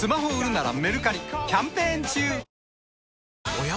おや？